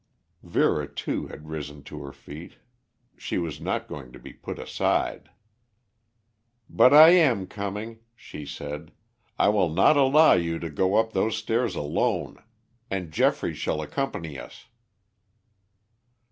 Vera, too, had risen to her feet. She was not going to be put aside. "But I am coming," she said. "I will not allow you to go up those stairs alone. And Geoffrey shall accompany us."